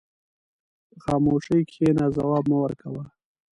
په خاموشۍ کښېنه، ځواب مه ورکوه.